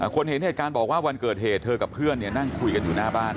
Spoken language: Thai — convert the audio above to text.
คนเห็นเหตุการณ์บอกว่าวันเกิดเหตุเธอกับเพื่อนนั่งคุยกันอยู่หน้าบ้าน